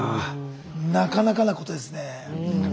なかなかなことですね。